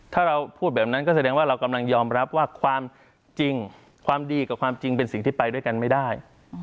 ถ้าเราพูดแบบนั้นก็แสดงว่าเรากำลังยอมรับว่าความจริงความดีกับความจริงเป็นสิ่งที่ไปด้วยกันไม่ได้